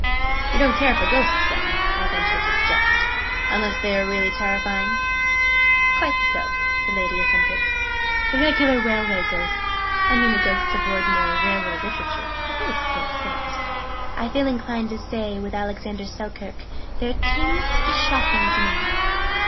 "You don't care for Ghosts, then," I ventured to suggest, "unless they are really terrifying?" "Quite so," the lady assented. "The regular Railway Ghosts I mean the Ghosts of ordinary Railway literature are very poor affairs. I feel inclined to say, with Alexander Selkirk, 'Their tameness is shocking to me'!